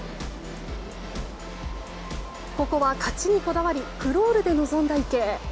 ここは勝ちにこだわりクロールで臨んだ池江。